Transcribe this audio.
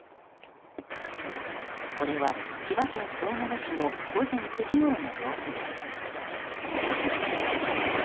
これは、千葉県東金市の午前９時ごろの様子です。